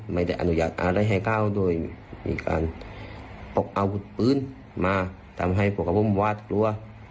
ไม่ได้อนุญาตอะไรให้เข้าโดยมีการพกอาวุธปืนมาทำให้พวกกับผมวาดกลัว